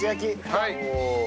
はい。